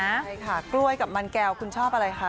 ใช่ค่ะกล้วยกับมันแก้วคุณชอบอะไรคะ